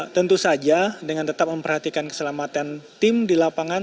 tentu saja dengan tetap memperhatikan keselamatan tim di lapangan